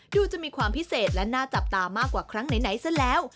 ดูจะมีความพิเศษและน่าจับตามากกว่าครั้งไหนซะแล้ว